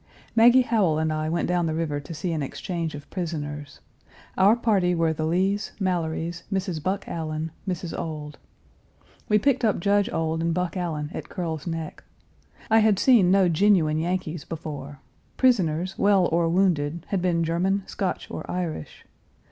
Maggie Howell and I went down the river to see an exchange of prisoners. Our party were the Lees, Mallorys, Mrs. Buck Allan, Mrs. Ould. We picked up Judge Ould and Buck Allan at Curl's Neck. I had seen no genuine Yankees before; prisoners, well or wounded, had been German, Scotch, or Irish.